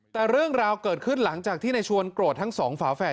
แต่เรื่องราวเกิดขึ้นหลังจากที่ในชวนโกรธทั้งสองฝาแฝด